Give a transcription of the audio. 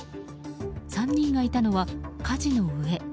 ３人がいたのは舵の上。